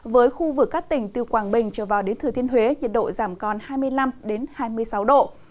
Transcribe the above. với khu vực các tỉnh từ quảng bình trở vào đến thừa thiên huế nhiệt độ giảm còn hai mươi năm hai mươi sáu độ